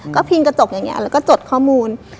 ก็พิงกระจกอย่างนี้แล้วก็จดข้อมูล